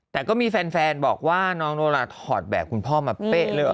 แต่ก็มีแฟนบอกว่าน้องโนราถอดแบบคุณพ่อมาเป๊ะเลย